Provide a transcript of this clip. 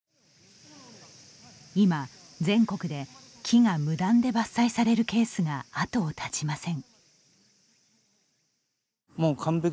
今、全国で木が無断で伐採されるケースが後を絶ちません。